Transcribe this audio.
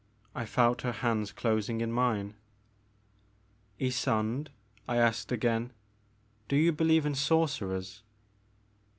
I felt her hands closing in mine. '* Ysonde," I asked again, do you believe in sorcerers?